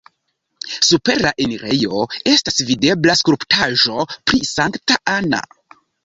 Super la enirejo estas videbla skulptaĵo pri Sankta Anna.